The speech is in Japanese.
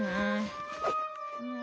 うん。